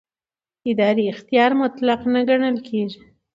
اداري اختیار مطلق نه ګڼل کېږي.